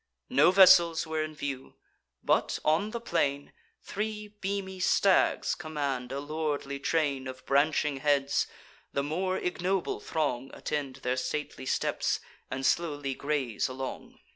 No vessels were in view; but, on the plain, Three beamy stags command a lordly train Of branching heads: the more ignoble throng Attend their stately steps, and slowly graze along.